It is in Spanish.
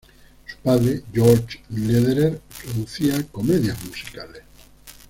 Su padre, George Lederer, producía comedias musicales.